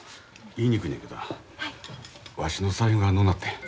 言いにくいねんけどなわしの財布がのうなってん。